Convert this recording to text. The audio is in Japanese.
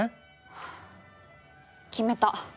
はぁ決めた！